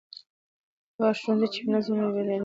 هغه ښوونځی چې نظم لري، بریالی دی.